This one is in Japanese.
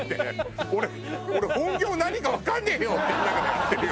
「俺本業何かわかんねえよ！」って言いながらやってるよ。